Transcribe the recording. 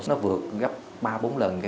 nó vừa gấp ba bốn lần